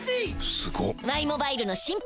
すごっ！